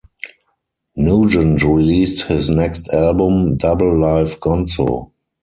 Nugent released his next album, Double Live Gonzo!